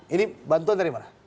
ini bantuan dari mana